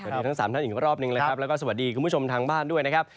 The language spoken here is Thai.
ทั้งสามท่านอีกรอบหนึ่งเลยครับแล้วก็สวัสดีคุณผู้ชมทางบ้านด้วยนะครับ